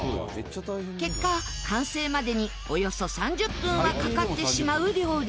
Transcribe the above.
結果完成までにおよそ３０分はかかってしまう料理